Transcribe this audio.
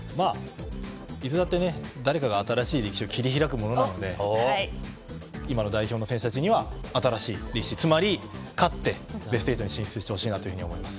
いつだって誰かが新しい歴史を切り開くものなんで今の代表の選手たちには新しい歴史つまり勝ってベスト８に進出してほしいなと思います。